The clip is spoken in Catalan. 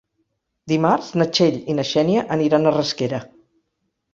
Dimarts na Txell i na Xènia aniran a Rasquera.